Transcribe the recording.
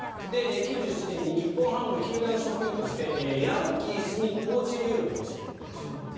９７年に日本ハムの球団職員としてヤンキースにコーチ留学をしていらっしゃいます。